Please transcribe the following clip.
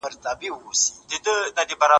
هغې ته نږدې کيدل خطرناک دي.